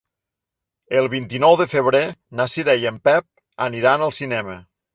El vint-i-nou de febrer na Cira i en Pep aniran al cinema.